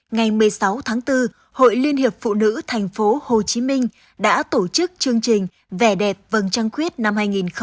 ngày một mươi sáu tháng bốn hội liên hiệp phụ nữ tp hcm đã tổ chức chương trình vẻ đẹp vầng trăng khuyết năm hai nghìn hai mươi bốn